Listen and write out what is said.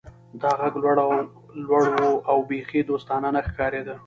دا غږ لوړ و او بیخي دوستانه نه ښکاریده